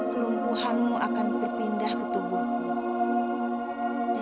kelumpuhanmu akan berpindah ke tubuhmu